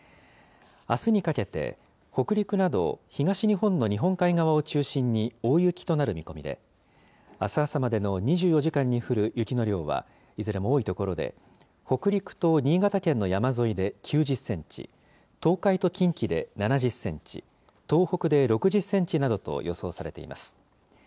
あすにかけて、北陸など東日本の日本海側を中心に、大雪となる見込みで、あす朝までの２４時間に降る雪の量は、いずれも多い所で、北陸と新潟県の山沿いで９０センチ、東海と近畿で７０センチ、東北で６０センチなどと予想されています。